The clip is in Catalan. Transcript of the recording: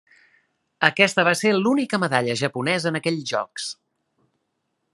Aquesta va ser l'única medalla japonesa en aquells Jocs.